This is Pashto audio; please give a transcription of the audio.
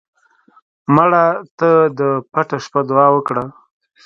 مړه ته د پټه شپه دعا وکړه